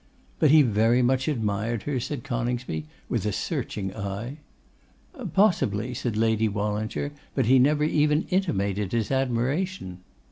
'But he very much admired her?' said Coningsby with a searching eye. 'Possibly,' said Lady Wallinger; 'but he never even intimated his admiration.